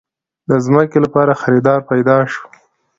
د ځمکې لپاره خريدار پېدا شو.